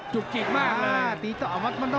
จุกจิกมากเลย